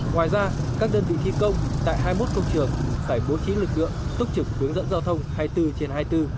ngoài ra các đơn vị thi công tại hai mươi một công trường phải bố trí lực lượng túc trực hướng dẫn giao thông hai mươi bốn trên hai mươi bốn